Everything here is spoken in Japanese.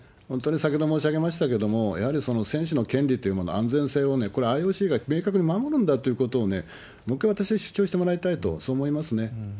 本当に先ほど申し上げましたけれども、やはり選手の権利っていうもの、安全性をね、これ、ＩＯＣが明確に守るんだっていうことをね、もう一回、私は主張してもらいたいなと、そう思いますね。